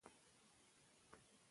هغه کور ته روان ده